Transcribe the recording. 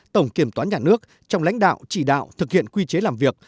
tổng kiểm toán nhà nước trong lãnh đạo chỉ đạo thực hiện quy chế làm việc